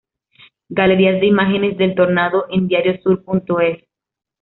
Galerías de imágenes del tornado en Diario Sur.es